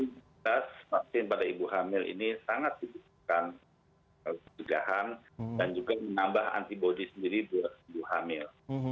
jadi vaksin pada ibu hamil ini sangat membutuhkan kejegahan dan juga menambah antibody sendiri di ibu hamil